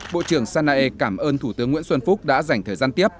bộ trưởng sanae cảm ơn thủ tướng nguyễn xuân phúc đã dành thời gian tiếp